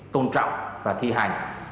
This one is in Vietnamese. tôn trọng và thi hành